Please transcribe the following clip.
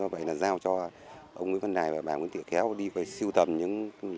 vậy là giao cho ông nguyễn vân đại và bà nguyễn thị khéo đi phải siêu tầm lại những làn điệu hát cổ